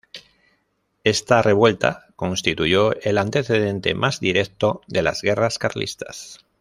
Esta revuelta constituyó el antecedente más directo de las Guerras Carlistas.